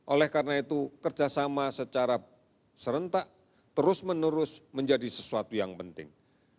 oleh karena itu kerjasama secara serentak terus menerus menjadi sesuatu yang penting